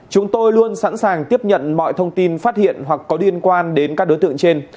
chúng tôi luôn sẵn sàng tiếp nhận mọi thông tin phát hiện hoặc có liên quan đến các đối tượng trên